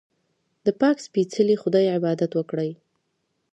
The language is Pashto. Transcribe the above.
د پاک سپېڅلي خدای عبادت وکړئ.